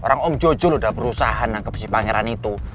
orang om jojo udah berusaha nangkep si pangeran itu